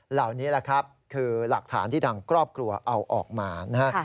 เหล่านี้แหละครับคือหลักฐานที่ทางครอบครัวเอาออกมานะฮะ